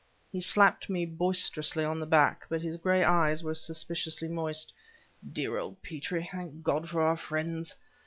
He slapped me boisterously on the back, but his gray eyes were suspiciously moist. "Dear old Petrie! Thank God for our friends!